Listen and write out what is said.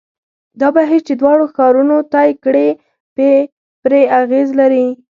دا بهیر چې دواړو ښارونو طی کړې پرې اغېز لري.